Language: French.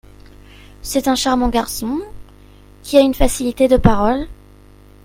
C’est un charmant garçon… qui a une facilité de parole…